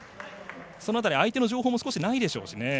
その辺り、相手の情報もないでしょうしね。